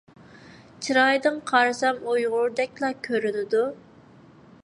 چىرايىدىن قارىسام ئۇيغۇردەكلا كۆرۈنىدۇ.